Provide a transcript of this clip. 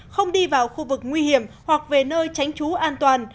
không đi vào khu vực nguy hiểm hoặc về nơi tránh trú an toàn